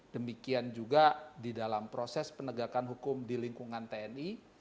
demikian juga di dalam proses penegakan hukum di lingkungan tni